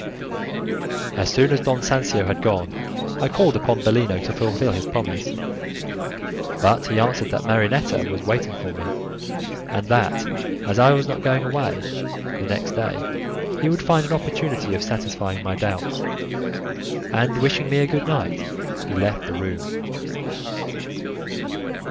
As soon as Don Sancio had gone, I called upon Bellino to fulfil his promise, but he answered that Marinetta was waiting for me, and that, as I was not going away the next day, he would find an opportunity of satisfying my doubts; and wishing me a good night, he left the room.